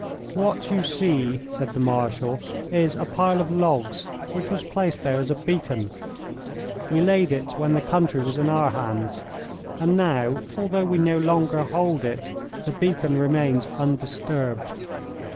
"What you see," said the Marshal, "is a pile of logs which was placed there as a beacon. We laid it when the country was in our hands, and now, although we no longer hold it, the beacon remains undisturbed.